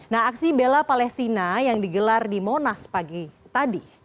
nah aksi bela palestina yang digelar di monas pagi tadi